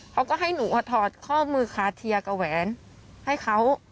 เขาก็ให้หนูถอดข้อมือคาเทียกับแหวนให้เขา